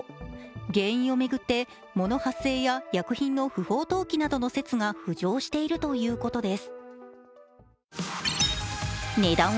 原因を巡って、藻の発生や、薬品の不法投棄などの説が、浮上しているということです。